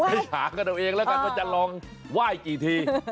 ให้หากันเอาเองแล้วกันว่าจะลองไหว้กี่ที